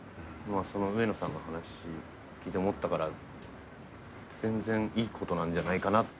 そのウエノさんの話聞いて思ったから全然いいことなんじゃないかとは思うけどね。